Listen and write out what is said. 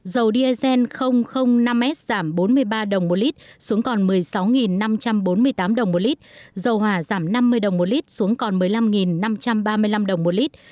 dầu diesel năm s giảm bốn mươi ba đồng một lít xuống còn một mươi sáu năm trăm bốn mươi tám đồng một lít dầu hỏa giảm năm mươi đồng một lit xuống còn một mươi năm năm trăm ba mươi năm đồng một lít